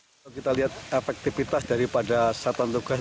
kalau kita lihat efektivitas daripada satuan tugas